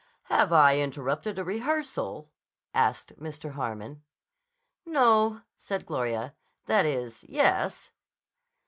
"Have I interrupted a rehearsal?" asked Mr. Harmon. "No," said Gloria. "That is, yes."